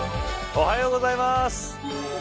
おはようございます。